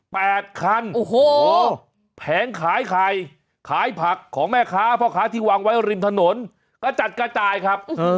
แปดคันโอ้โหแผงขายไข่ขายผักของแม่ค้าพ่อค้าที่วางไว้ริมถนนกระจัดกระจายครับ